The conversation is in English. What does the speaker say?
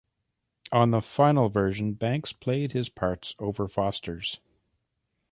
On the final version, Banks played his parts over Foster's.